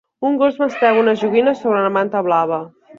Un gos mastega una joguina sobre una manta blava.